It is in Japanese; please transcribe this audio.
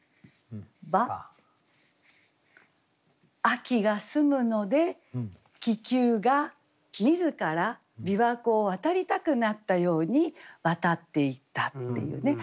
秋が澄むので気球が自ら琵琶湖をわたりたくなったようにわたっていったっていうね。